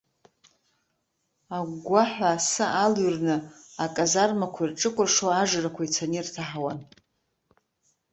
Агәгәаҳәа асы алҩрны аказармақәа ирҿыкәыршоу ажрақәа ицаны ирҭаҳауан.